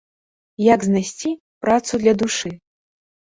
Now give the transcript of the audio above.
Як знайсці працу для душы?